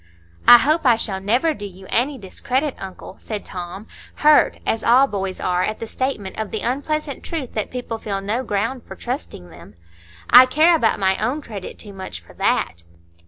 "I hope I shall never do you any discredit, uncle," said Tom, hurt, as all boys are at the statement of the unpleasant truth that people feel no ground for trusting them. "I care about my own credit too much for that."